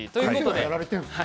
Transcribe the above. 先生もやられているんですか。